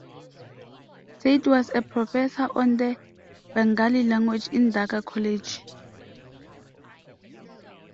Sayeed was a professor of the Bengali language in Dhaka College.